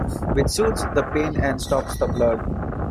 Which soothes the pains and stops the blood.